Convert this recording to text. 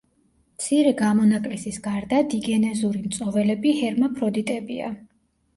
მცირე გამონაკლისის გარდა დიგენეზური მწოველები ჰერმაფროდიტებია.